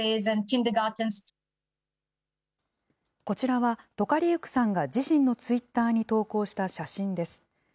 こちらは、トカリウクさんが自身のツイッターに投稿した写真です。